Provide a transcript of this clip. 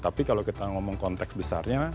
tapi kalau kita ngomong konteks besarnya